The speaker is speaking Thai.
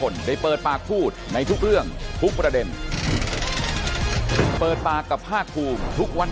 ครับขอบพระคุณนะครับสำหรับข้อมูลนะครับ